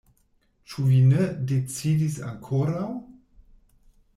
Ĉu vi ne decidis ankoraŭ?